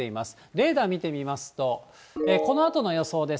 レーダー見てみますと、このあとの予想です。